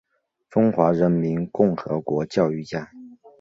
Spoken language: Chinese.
中华人民共和国教育家。